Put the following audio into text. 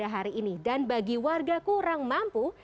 hari ini dan bagi warga kurang mampu